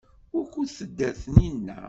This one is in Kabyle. Wukud tedder Taninna?